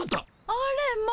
あれま！